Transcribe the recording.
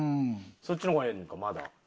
そっちの方がええんかまだ。